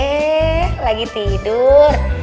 eh lagi tidur